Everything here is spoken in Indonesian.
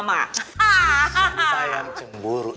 saya sayang cemburu